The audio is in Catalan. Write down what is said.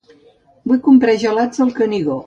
Vull comprar gelats del Canigó